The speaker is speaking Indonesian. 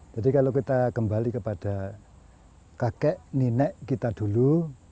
jadi kalau kita kembali kepada kakek ninek kita dulu